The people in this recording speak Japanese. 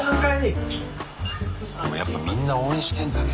やっぱみんな応援してんだね。